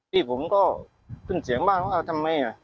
พี่ผมก็ขึ้นเสียงบ้างว่าเอาทำไม